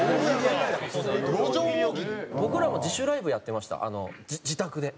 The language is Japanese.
僕らも自主ライブやってました自宅で。